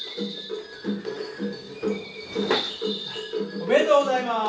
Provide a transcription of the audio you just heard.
おめでとうございます。